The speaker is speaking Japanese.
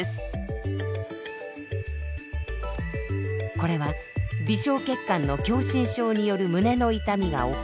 これは微小血管の狭心症による胸の痛みが起こった年齢です。